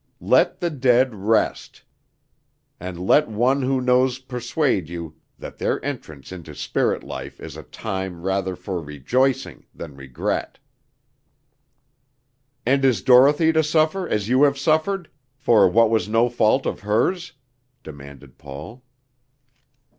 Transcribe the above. Let the dead rest! and let one who knows persuade you that their entrance into spirit life is a time rather for rejoicing than regret!" "And is Dorothy to suffer as you have suffered, for what was no fault of hers?" demanded Paul.